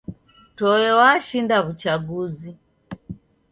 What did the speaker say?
Toe washinda w'uchaguzi.